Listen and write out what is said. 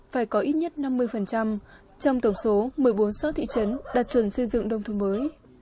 phải có ít nhất năm mươi trong tổng số một mươi bốn xã thị trấn đạt chuẩn xây dựng nông thôn mới